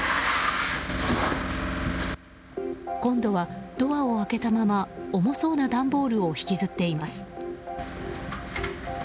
今度は、ドアを開けたまま重そうな段ボールを引きずっています。